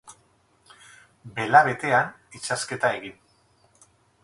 Bela betean itsasketa egin.